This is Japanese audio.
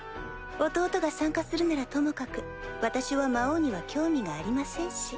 弟が参加するならともかく私は魔王には興味がありませんし。